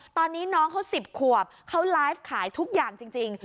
ตอนนี้น้องเขา๑๐ขวบเขาไลฟ์ขายทุกอย่างจริง